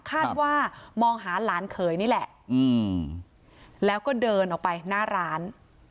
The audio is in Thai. คาดว่ามองหาหลานเขยนี่แหละแล้วก็เดินออกไปหน้าร้าน